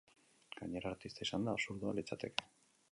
Gainera, artista izanda, absurdua litzateke.